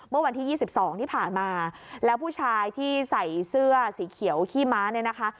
เมื่อวันที่๒๒ที่ผ่านมาแล้วผู้ชายที่ใส่เสื้อสีเขียวขี้ม้าเนี่ยนะคะ